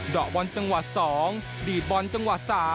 ะบอลจังหวะ๒ดีดบอลจังหวะ๓